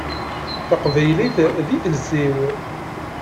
Taqbaylit d idles-iw.